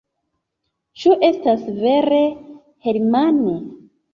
Ĉu estas vere, Herman?